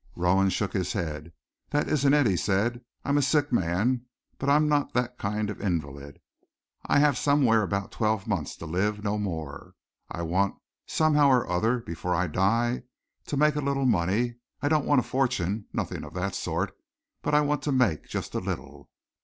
Rowan shook his head. "That isn't it," he said. "I'm a sick man, but I'm not that kind of invalid. I have somewhere about twelve months to live no more. I want, somehow or other, before I die, to make a little money. I don't want a fortune nothing of that sort but I want to make just a little."